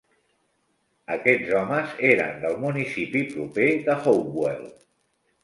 Aquests homes eren del municipi proper de Hopewell.